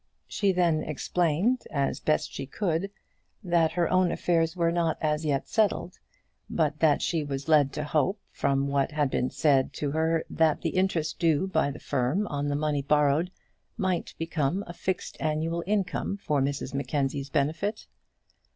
She then explained, as best she could, that her own affairs were not as yet settled, but that she was led to hope, from what had been said to her, that the interest due by the firm on the money borrowed might become a fixed annual income for Mrs Mackenzie's benefit.